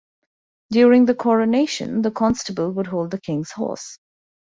During the coronation the constable would hold the king's horse.